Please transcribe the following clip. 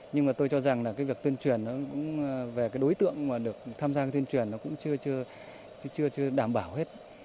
nhưng mà tôi cho rằng việc tuyên truyền về đối tượng được tham gia tuyên truyền cũng chưa đảm bảo hết